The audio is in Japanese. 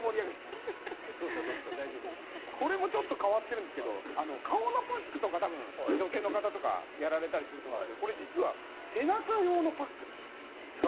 これも、ちょっと変わっているんですけど顔のパックとか女性の方とかやられたりすると思うんですが実は背中用のパックです。